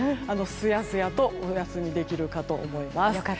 すやすやとお休みできるかと思います。